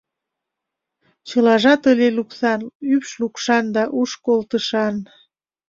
Чылажат ыле лупсан, ӱпш лукшан да уш колтышан.